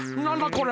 これ。